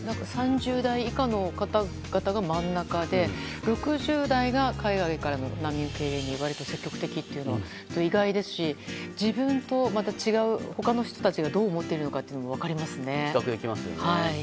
３０代以下の方々が真ん中で６０代が海外からの難民受け入れに割と積極的いうのは意外ですし自分と他の人たちがどう思っているかが比較できますよね。